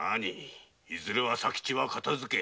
いずれは佐吉を片づけ